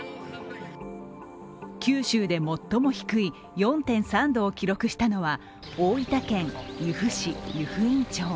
九州でも最も低い４．３度を記録したのは大分県由布市湯布院町。